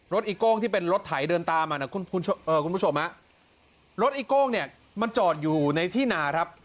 อีโก้งที่เป็นรถไถเดินตามมานะคุณผู้ชมฮะรถอีโก้งเนี่ยมันจอดอยู่ในที่นาครับ